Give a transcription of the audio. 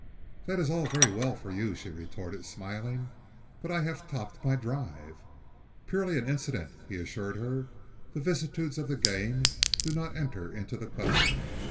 "That is all very well for you," she retorted, smiling, "but I have topped my drive." "Purely an incident," he assured her. "The vicissitudes of the game do not enter into the question.